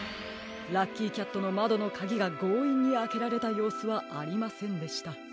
ラッキーキャットのまどのカギがごういんにあけられたようすはありませんでした。